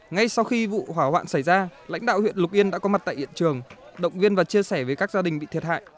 ngay sau khi vụ hỏa hoạn xảy ra lãnh đạo huyện lục yên đã có mặt tại hiện trường động viên và chia sẻ với các gia đình bị thiệt hại